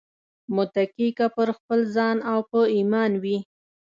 متکي که پر خپل ځان او په ايمان وي